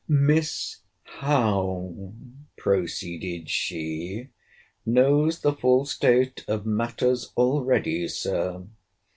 Miss Howe, proceeded she, knows the full state of matters already, Sir.